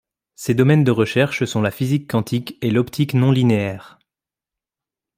Ses domaines de recherches sont la physique quantique et l'optique non linéaire.